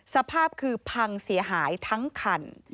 สภาพคือพังเสียหายทั้งคัน